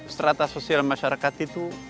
serata sosial masyarakat itu